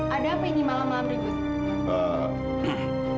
ada apa ini malam malam ribut